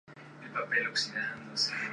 Está rodeado de numerosos ríos.